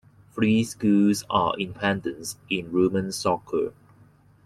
Three schools are independents in women's soccer.